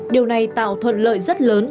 điều này tạo thuận lợi rất lớn